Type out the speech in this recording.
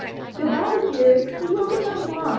"Good bye, dears, we won't be gone long."